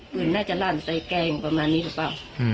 ปืนน่าจะลั่นใส่แกงประมาณนี้ใช่ป่าว